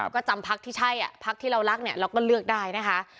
ก็จำพักที่ใช่พักที่เรารักเนี่ยเราก็เลือกได้นะคะ